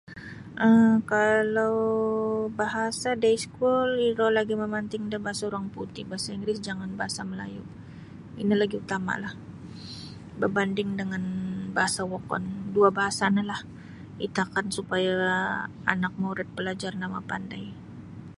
um kalau bahasa da iskul ikou lagi mementing da bahasa urang putih bahasa Inggeris jangan bahasa Melayu ino lagi utamalah berbanding dengan bahasa wokon. Duo bahasa no lah itakan supaya anak murid pelajar no mapandai.